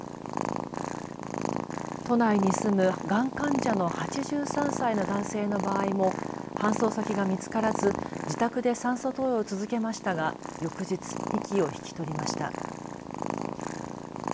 都内に住むがん患者の８３歳の男性の場合も搬送先が見つからず自宅で酸素投与を続けましたが翌日、息を引き取りました。